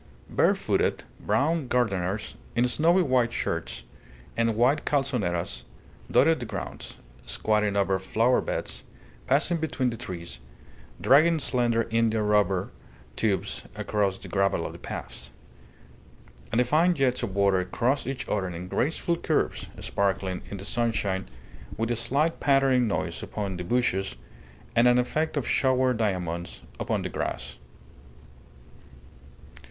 Barefooted, brown gardeners, in snowy white shirts and wide calzoneras, dotted the grounds, squatting over flowerbeds, passing between the trees, dragging slender India rubber tubes across the gravel of the paths; and the fine jets of water crossed each other in graceful curves, sparkling in the sunshine with a slight pattering noise upon the bushes, and an effect of showered diamonds upon the grass.